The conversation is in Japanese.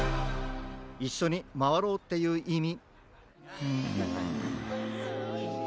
いっしょにまわろうっていういみ。